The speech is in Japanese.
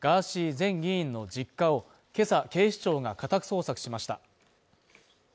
前議員の実家を今朝、警視庁が家宅捜索しました。